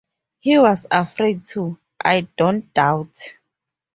He was afraid to, I don't doubt.